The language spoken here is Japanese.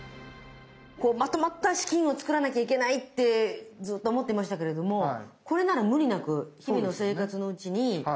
まとまった資金を作らなきゃいけないってずっと思ってましたけれどもこれなら無理なく日々の生活のうちにできそうな気がします。